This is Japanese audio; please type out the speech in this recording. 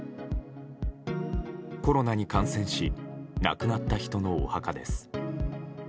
コロナに感染し亡くなった人のお墓です。